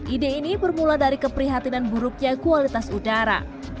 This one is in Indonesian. ide ini bermula dari keprihatinan buruknya kualitas udara